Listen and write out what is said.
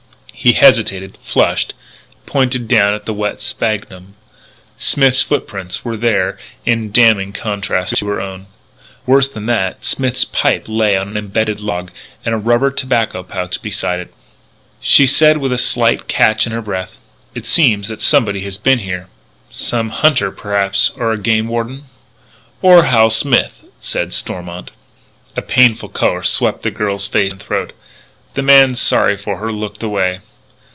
He hesitated, flushed, pointed down at the wet sphagnum. Smith's foot prints were there in damning contrast to her own. Worse than that, Smith's pipe lay on an embedded log, and a rubber tobacco pouch beside it. She said with a slight catch in her breath: "It seems that somebody has been here.... Some hunter, perhaps, or a game warden...." "Or Hal Smith," said Stormont. A painful colour swept the girl's face and throat. The man, sorry for her, looked away.